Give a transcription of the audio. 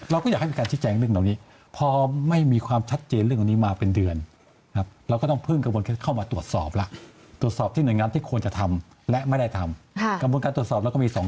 เราก็อยากให้การให้ชิดแจ้งเรื่องเหล่านี้